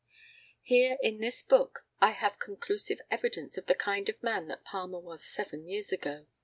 ] Here in this book I have conclusive evidence of the kind of man that Palmer was seven years ago.